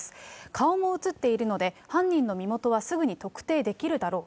顔も映っているので、犯人の身元はすぐに特定できるだろう。